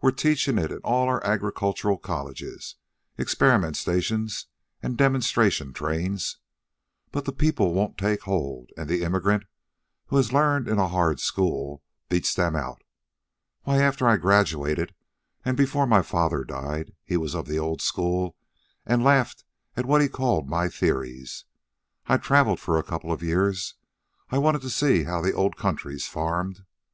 We're teaching it in all our agricultural colleges, experiment stations, and demonstration trains. But the people won't take hold, and the immigrant, who has learned in a hard school, beats them out. Why, after I graduated, and before my father died he was of the old school and laughed at what he called my theories I traveled for a couple of years. I wanted to see how the old countries farmed.